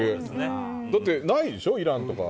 だってないでしょ、イランとか。